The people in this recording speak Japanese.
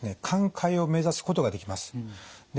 寛解を目指すことができます。